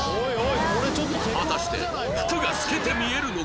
果たして服が透けて見えるのか？